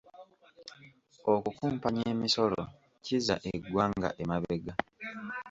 Okukumpanya emisolo kizza eggwanga emabega.